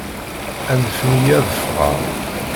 Anfem-iyi ad ffɣeɣ!